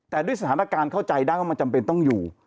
แต่ด้วยสถานการณ์เข้าใจได้ว่ามันจำเป็นต้องอยู่